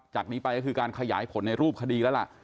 จากนี้ไปก็คือการขยายผลในรูปคดีแล้วล่ะ